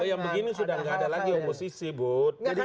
kalau yang begini sudah nggak ada lagi oposisi bud